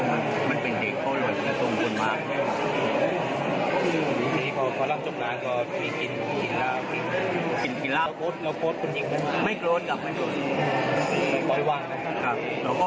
ทีนี้พ่อฝรั่งชมลักษณ์ก็มากินก๋วนล่าว